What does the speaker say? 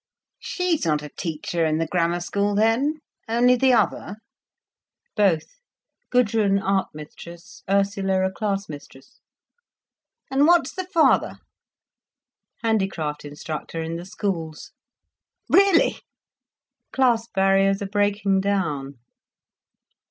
"She's not a teacher in the Grammar School, then—only the other?" "Both—Gudrun art mistress, Ursula a class mistress." "And what's the father?" "Handicraft instructor in the schools." "Really!" "Class barriers are breaking down!"